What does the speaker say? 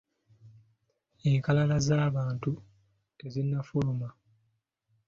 Enkalala ez’abantu tezinnafuluma.